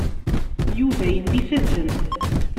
Yuba yella ifehhem.